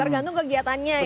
tergantung kegiatannya ya